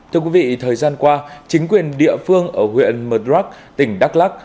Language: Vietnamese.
thưa quý vị thời gian qua chính quyền địa phương ở huyện mật rắc tỉnh đắk lắc